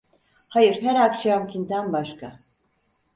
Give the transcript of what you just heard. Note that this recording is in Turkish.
Hayır, her akşamkinden başka…